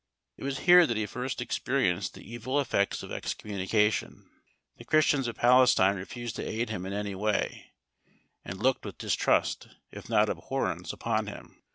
It was here that he first experienced the evil effects of excommunication. The Christians of Palestine refused to aid him in any way, and looked with distrust, if not with abhorrence, upon him.